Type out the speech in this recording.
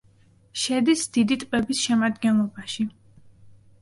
შედის დიდი ტბების შემადგენლობაში.